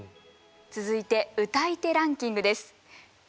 続いて歌い手ランキングです。